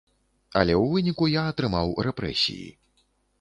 Але ў выніку я атрымаў рэпрэсіі.